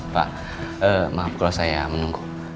pak maaf kalau saya menunggu